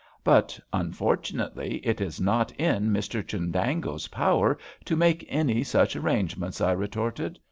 "But, unfortunately, it is not in Mr Chundango's power to make any such arrangements," I retorted.